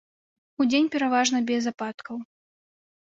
Удзень пераважна без ападкаў.